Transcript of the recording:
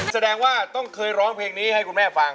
แสดงว่าต้องเคยร้องเพลงนี้ให้คุณแม่ฟัง